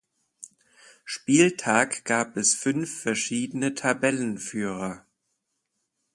Spieltag gab es fünf verschiedene Tabellenführer.